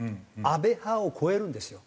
安倍派を超えるんですよ。